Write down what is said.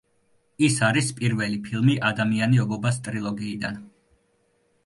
ის არის პირველი ფილმი ადამიანი ობობას ტრილოგიიდან.